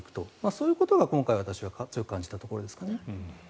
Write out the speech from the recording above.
そういうことが今回私が強く感じたところですかね。